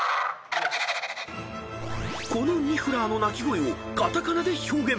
［このニフラーの鳴き声をカタカナで表現］